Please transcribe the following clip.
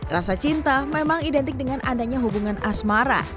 rasa cinta memang identik dengan adanya hubungan asmara